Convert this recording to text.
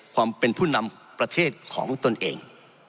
ความเป็นผู้นำประเทศของตนเอง